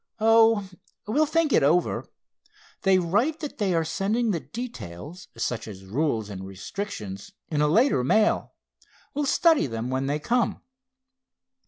"Oh, we'll think it over. They write that they are sending the details, such as rules and restrictions, in a later mail. We'll study them when they come."